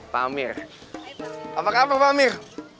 pak amir apa kabar pak amir